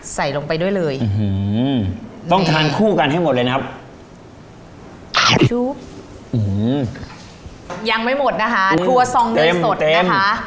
ใส่ลงไปด้วยเลยต้องทานคู่กันให้หมดเลยนะครับยังไม่หมดนะคะครัวซองเงินสดนะคะ